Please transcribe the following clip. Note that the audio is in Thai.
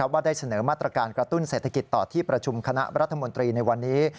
ว่าได้เสนอมาตรการกระตุ้นเศรษฐกิจต่อที่ประชุมคณะรัฐมนตรีในวันนี้